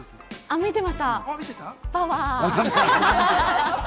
見てました、パワー！